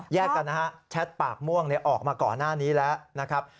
กันนะฮะแชทปากม่วงออกมาก่อนหน้านี้แล้วนะครับ